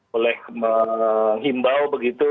boleh menghimbau begitu